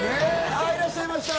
ああいらっしゃいました